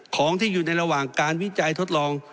ของที่อยู่ในระหว่างการวิจัยทดลอง